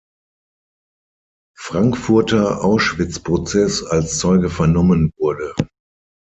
Frankfurter Auschwitzprozess als Zeuge vernommen wurde.